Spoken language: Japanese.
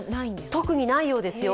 特にないようですよ。